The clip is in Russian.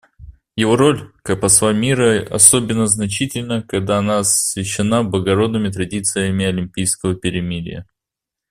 Его роль как посла мира особенно значительна, когда она освящена благородными традициями «олимпийского перемирия».